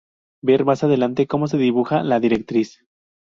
Ver más adelante cómo se dibuja la directriz.